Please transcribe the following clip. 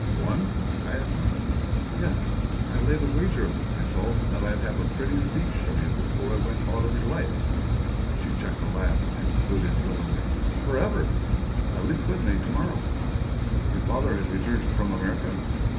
"Won?" I echoed. "Yes. I laid a wager with myself that I'd have a pretty speech from you before I went out of your life" she checked a laugh, and concluded thrillingly "forever! I leave Quesnay to morrow!" "Your father has returned from America?"